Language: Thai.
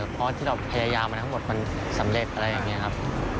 เพราะที่เราพยายามมาทั้งหมดมันสำเร็จอะไรอย่างนี้ครับ